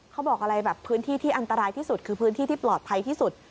เขาบอกอะไรแบบพื้นที่ที่อันตรายที่สุดคือพื้นที่ที่ปลอดภัยที่สุด